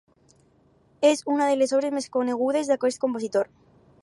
És una de les obres més conegudes d'aquest compositor.